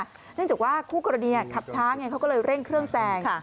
เนื่องจากว่าคู่กรณีขับช้าไงเขาก็เลยเร่งเครื่องแซง